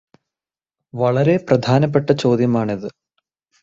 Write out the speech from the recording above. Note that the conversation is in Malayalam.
വളരെ പ്രധാനപ്പെട്ട ചോദ്യമാണിത്.